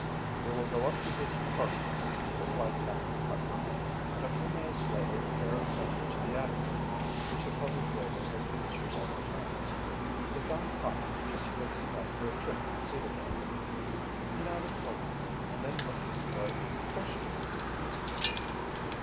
"We will go up to his apartment," replied Captain Putnam, and a few minutes later the pair ascended to the attic room which the colored waiter had used for several terms. They found Pop just fixing up for a trip to Cedarville. He nodded pleasantly, and then looked at both questioningly.